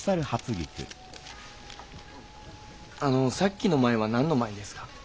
あのさっきの舞は何の舞ですか？